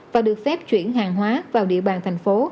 và được phép chuyển hàng hóa vào địa bàn thành phố